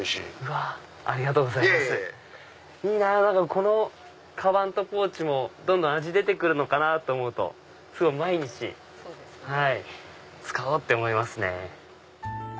このカバンとポーチもどんどん味出るのかと思うと毎日使おうって思いますね。